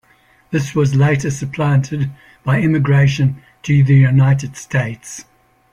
This was later supplanted by emigration to the United States.